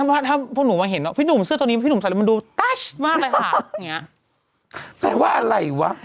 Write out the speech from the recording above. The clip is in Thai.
เค้าขอย่องโบราณต่อไปดีกว่า